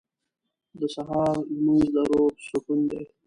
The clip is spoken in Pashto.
• د سهار لمونځ د روح سکون دی.